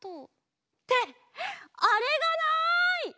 ってあれがない！